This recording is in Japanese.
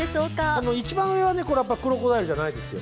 この一番上はね、やっぱりクロコダイルじゃないですよ。